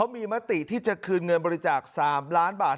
มีมติที่จะคืนเงินบริจาค๓ล้านบาท